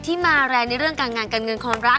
ที่มารแรงในเรื่องงานการเงินความรัก